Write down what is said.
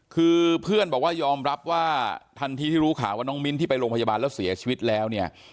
คือเพื่อนบอกว่ายอมรับว่าทันทีที่รู้ข่าวว่าน้องมิ้นที่ไปโรงพยาบาลแล้วเสียชีวิตแล้วเนี่ย